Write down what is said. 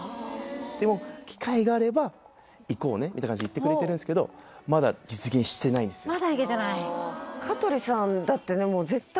「でも機会があれば行こうね」みたいな感じで言ってくれてるんですけどまだ行けてないそうなんですそうなんです